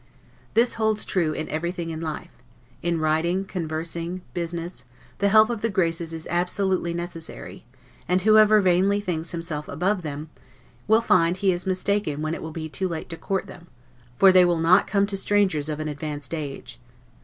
This holds true in everything in life: in writing, conversing, business, the help of the Graces is absolutely necessary; and whoever vainly thinks himself above them, will find he is mistaken when it will be too late to court them, for they will not come to strangers of an advanced age.